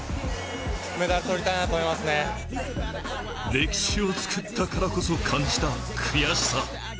歴史を作ったからこそ感じた、悔しさ。